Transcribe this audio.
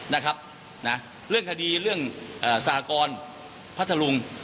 ถึงเรื่องคดีเรื่องสหกรพระธรุง